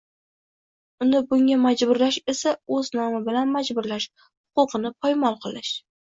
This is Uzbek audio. Uni bunga majburlash esa o‘z nomi bilan majburlash – huquqini poymol qilish.